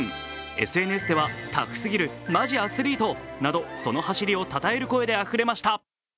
ＳＮＳでは、タフすぎるなどその走りをたたえる声であふれました。